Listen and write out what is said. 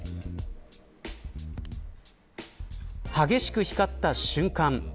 激しく光った瞬間